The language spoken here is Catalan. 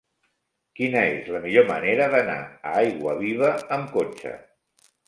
Quina és la millor manera d'anar a Aiguaviva amb cotxe?